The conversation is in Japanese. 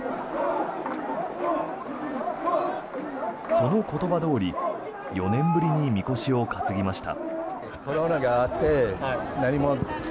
その言葉どおり４年ぶりにみこしを担ぎました。